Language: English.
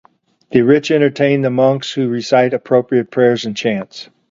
The rich entertain the monks, who recite appropriate prayers and chants.